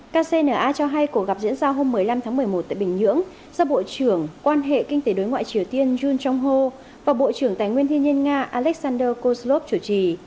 kcna cho hay cuộc gặp diễn ra hôm một mươi năm tháng một mươi một tại bình nhưỡng do bộ trưởng quan hệ kinh tế đối ngoại triều tiên jun jong ho và bộ trưởng tài nguyên thiên nhiên nga alexander kozlov chủ trì